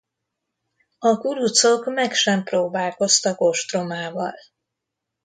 A kurucok meg sem próbálkoztak ostromával.